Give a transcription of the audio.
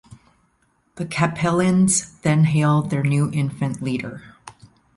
The Capellans then hail their new infant leader.